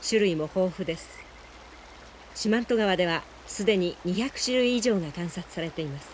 四万十川では既に２００種類以上が観察されています。